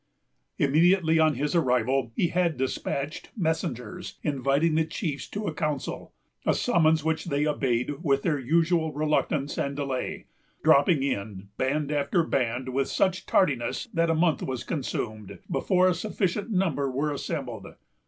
Immediately on his arrival, he had despatched messengers inviting the chiefs to a council; a summons which they obeyed with their usual reluctance and delay, dropping in, band after band, with such tardiness that a month was consumed before a sufficient number were assembled.